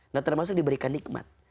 nah termasuk diberikan nikmat